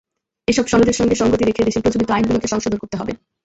এসব সনদের সঙ্গে সংগতি রেখে দেশের প্রচলিত আইনগুলোকে সংশোধন করতে হবে।